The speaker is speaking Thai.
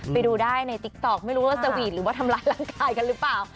ไปดูได้ในติ๊กต๊อกไม่รู้ว่าสวีทหรือว่าทำร้ายร่างกายกันหรือเปล่า